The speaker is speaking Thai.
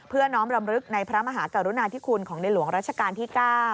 เพื่อน้องรำลึกในพระมหากรุณาที่คุณของในหลวงราชการที่๙